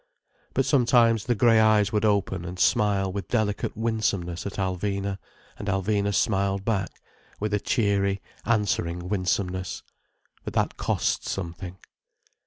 But sometimes the grey eyes would open and smile with delicate winsomeness at Alvina, and Alvina smiled back, with a cheery, answering winsomeness. But that costs something.